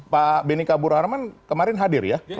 pak benika burarman kemarin hadir ya